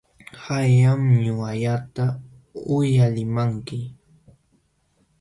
Qamllam ñuqallata uyalimanki.